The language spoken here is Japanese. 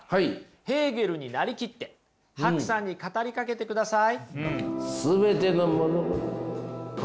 ヘーゲルになりきってＨＡＫＵさんに語りかけてください。